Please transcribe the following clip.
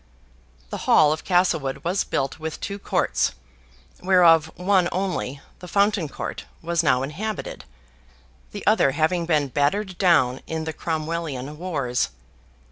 The Hall of Castlewood was built with two courts, whereof one only, the fountain court, was now inhabited, the other having been battered down in the Cromwellian wars.